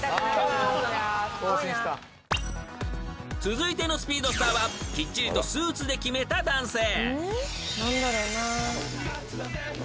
［続いてのスピードスターはきっちりとスーツで決めた男性］